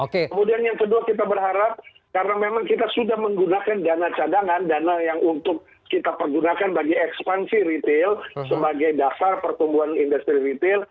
kemudian yang kedua kita berharap karena memang kita sudah menggunakan dana cadangan dana yang untuk kita pergunakan bagi ekspansi retail sebagai dasar pertumbuhan industri retail